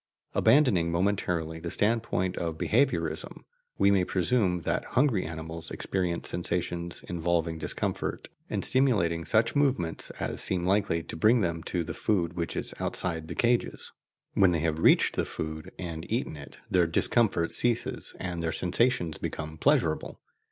Abandoning momentarily the standpoint of behaviourism, we may presume that hungry animals experience sensations involving discomfort, and stimulating such movements as seem likely to bring them to the food which is outside the cages. When they have reached the food and eaten it, their discomfort ceases and their sensations become pleasurable.